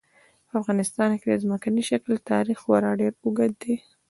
په افغانستان کې د ځمکني شکل تاریخ خورا ډېر اوږد دی.